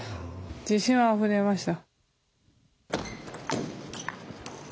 自信があふれました。